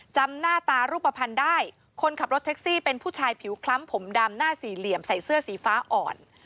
จำหน้าตารูปภัณฑ์ได้คนขับรถแท็กซี่เป็นผู้ชายผิวคล้ำผมดำหน้าสี่เหลี่ยมใส่เสื้อสีฟ้าอ่อน